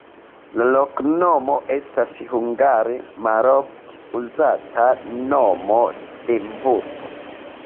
La loknomo estas hungare malofte uzata nomo de vulpo.